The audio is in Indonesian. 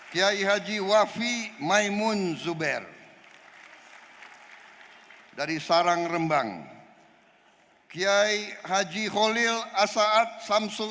kiai haji wafi maimun zuber dari sarang rembang kiai haji holil asaat ⁇ samsul